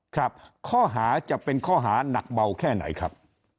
ครับข้อหาจะเป็นข้อหานักเบาแค่ไหนครับ